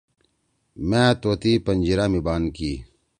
مأ طوطی پنجیِرہ می بان کی۔